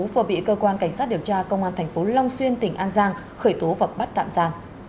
vừa bị cơ quan cảnh sát điều tra công an tp long xuyên tỉnh an giang khởi tố vật bắt tạm ra